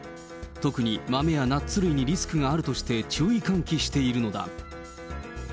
特に豆やナッツ類にリスクがあるとして、注意喚起しているのだ。